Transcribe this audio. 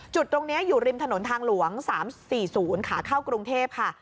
จุดตรงนี้อยู่ริมถนนทางหลวง๓๔๐ขาเข้ากรุงเทพค่ะ